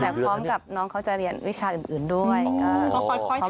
แต่พร้อมกับน้องเขาจะเรียนวิชาอื่นด้วยก็ค่อยทำ